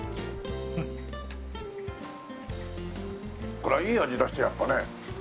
これはいい味出してやったね。